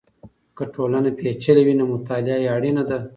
که ټولنه پېچلې وي نو مطالعه یې اړینه ده.